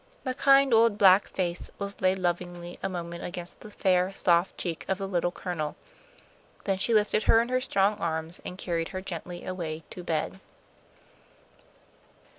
The kind old black face was laid lovingly a moment against the fair, soft cheek of the Little Colonel. Then she lifted her in her strong arms, and carried her gently away to bed.